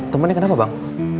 temannya kenapa bang